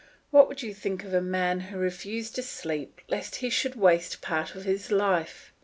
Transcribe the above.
What would you think of a man who refused to sleep lest he should waste part of his life?